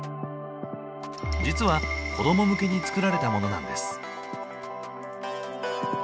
実は子ども向けに作られたものなんです。